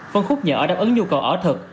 phân khúc nhỏ đáp ứng nhu cầu ở thực